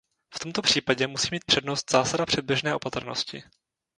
V tomto případě musí mít přednost zásada předběžné opatrnosti.